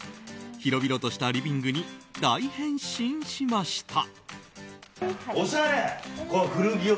広々としたリビングに大変身しました。